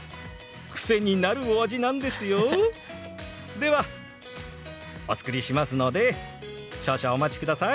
ではお作りしますので少々お待ちください。